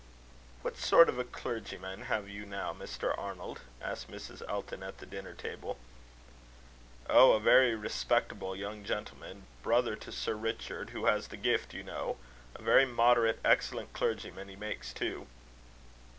"What sort of a clergyman have you now, Mr. Arnold?" asked Mrs. Elton, at the dinner table. "Oh! a very respectable young gentleman, brother to Sir Richard, who has the gift, you know. A very moderate, excellent clergyman he makes, too!"